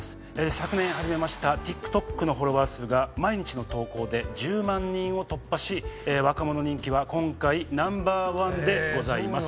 昨年始めましたＴｉｋＴｏｋのフォロワー数が毎日の投稿で１０万人を突破し若者人気は今回ナンバーワンでございます。